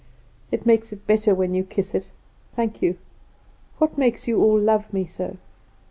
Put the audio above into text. "It makes it better when you kiss it; thank you. What makes you all love me so?"